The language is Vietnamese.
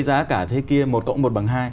giá cả thế kia một cộng một bằng hai